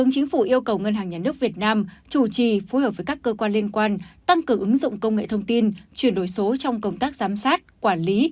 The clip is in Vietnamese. các cơ quan liên quan tăng cường ứng dụng công nghệ thông tin chuyển đổi số trong công tác giám sát quản lý